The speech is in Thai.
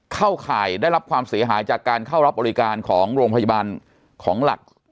ข่ายได้รับความเสียหายจากการเข้ารับบริการของโรงพยาบาลของหลัก